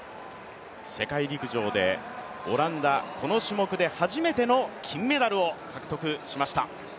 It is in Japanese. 世界陸上でオランダ、この種目で初めての金メダルを獲得しました。